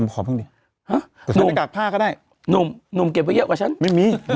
คุณแม่เก็บไว้